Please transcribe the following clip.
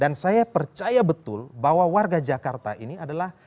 dan saya percaya betul bahwa warga jakarta ini adalah